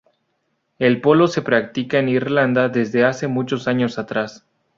El polo se practica en Irlanda desde hace muchos años atrás.